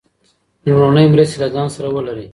لومړنۍ مرستې له ځان سره ولرئ.